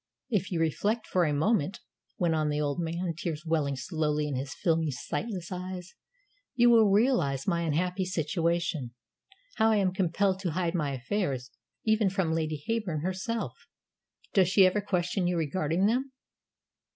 If you reflect for a moment," went on the old man, tears welling slowly in his filmy, sightless eyes, "you will realise my unhappy situation how I am compelled to hide my affairs even from Lady Heyburn herself. Does she ever question you regarding them?"